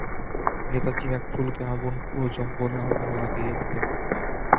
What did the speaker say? নেতাজি, এক ফুলকি আগুন পুরো জংগলে আগুন লাগিয়ে দিতে পারে।